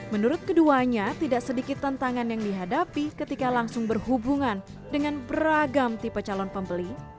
menurut keduanya tidak sedikit tantangan yang dihadapi ketika langsung berhubungan dengan beragam tipe calon pembeli